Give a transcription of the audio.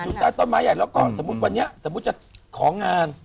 ใต้ต้นไม้ใหญ่แล้วก็สมมุติวันนี้สมมุติจะของาน